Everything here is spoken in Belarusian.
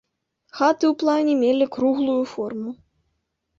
Хаты ў плане мелі круглую форму.